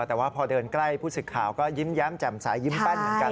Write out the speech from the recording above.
แต่ว่าพอเดินใกล้ผู้สึกข่าวก็ยิ้มแย้มแจ่มสายยิ้มแป้นเหมือนกัน